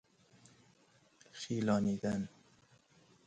خیلانیدن